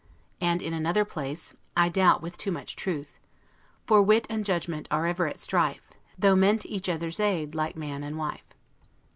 And in another place, I doubt with too much truth: "For wit and judgment ever are at strife Though meant each other's aid, like man and wife."